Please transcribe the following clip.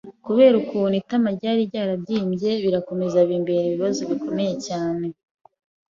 kubera ukuntu itama ryari ryarabyimbye, birakomeza bimbana ibibazo bikomeye cyane